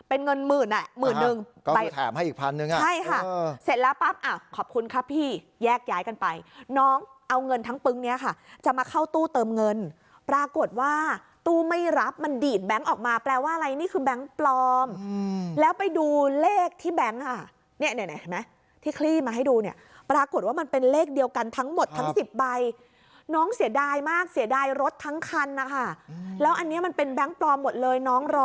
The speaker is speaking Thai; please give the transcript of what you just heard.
เอาเงินทั้งปึ๊งเนี้ยค่ะจะมาเข้าตู้เติมเงินปรากฏว่าตู้ไม่รับมันดีดแบงค์ออกมาแปลว่าอะไรนี่คือแบงค์ปลอมอืมแล้วไปดูเลขที่แบงค์ค่ะเนี้ยไหนไหนไหมที่คลี่มาให้ดูเนี้ยปรากฏว่ามันเป็นเลขเดียวกันทั้งหมดทั้งสิบใบน้องเสียดายมากเสียดายรถทั้งคันนะคะอืมแล้วอันนี้มันเป็นแบงค์ปลอมหมดเลยน้องร้